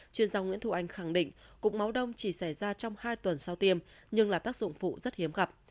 chuyên gia nguyễn thu anh khẳng định cục máu đông chỉ xảy ra trong hai tuần sau tiêm nhưng là tác dụng phụ rất hiếm gặp